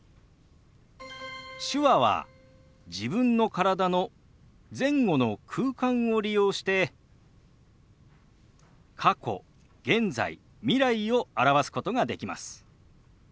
手話は自分の体の前後の空間を利用して過去現在未来を表すことができます。